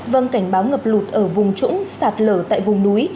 vâng cảnh báo ngập lụt ở vùng trũng sạt lở tại vùng núi